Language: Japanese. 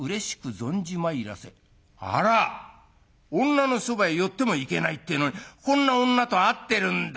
女のそばへ寄ってもいけないっていうのにこんな女と会ってるんだ。